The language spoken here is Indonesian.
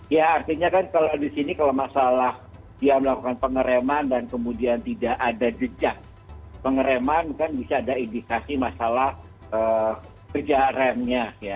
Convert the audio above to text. ya artinya kan kalau di sini kalau masalah dia melakukan pengereman dan kemudian tidak ada jejak pengereman kan bisa ada indikasi masalah kerja remnya